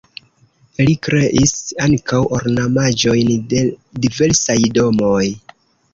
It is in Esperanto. Li kreis ankaŭ ornamaĵojn de diversaj domoj.